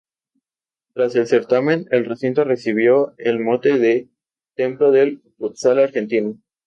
Tras el certamen, el recinto recibió el mote de Templo del Futsal Argentino.